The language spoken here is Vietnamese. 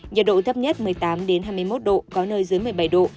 nhiệt độ thấp nhất một mươi tám hai mươi một độ có nơi dưới một mươi bảy độ